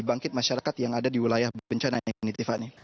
bangkit masyarakat yang ada di wilayah bencana ini tiffany